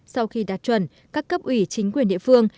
sau khi đạt chuẩn các cấp ủy chính quyền địa phương